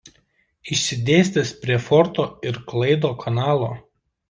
Išsidėstęs prie Forto ir Klaido kanalo.